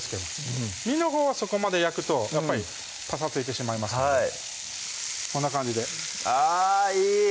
うん身のほうはそこまで焼くとやっぱりパサついてしまいますのでこんな感じであいい！